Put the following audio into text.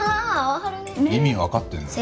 意味わかってんの？